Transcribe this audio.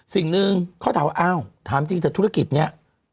สิ่งหนึ่งเขาถามว่าอ้าวถามจริงแต่ธุรกิจนี้